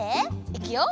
いくよ。